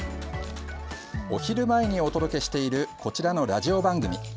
お昼前にお届けしているこちらのラジオ番組。